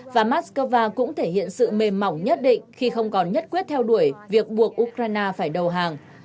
và moscow cũng thể hiện sự mềm mỏng nhất định khi không còn nhất quyết theo đuổi việc buộc ukraine phải đầu hàng